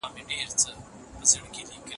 هغه پرېکړه ونه منل سوه ځکه عادلانه نه وه.